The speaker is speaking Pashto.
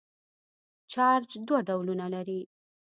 چارج دوه ډولونه لري.